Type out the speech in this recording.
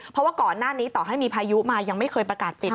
เพราะว่าก่อนหน้านี้ต่อให้มีพายุมายังไม่เคยประกาศปิด